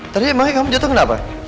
tadi emangnya kamu jatuh kenapa